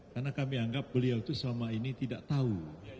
karena kami anggap beliau itu selama ini tidak tahu